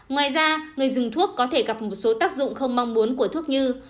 ngoài ra người dùng thuốc có thể gặp một số tác dụng không mong muốn của thuốc như